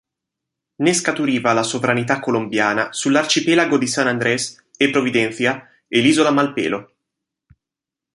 Ne scaturiva la sovranità colombiana sull'arcipelago di San Andres e Providencia e l'isola Malpelo.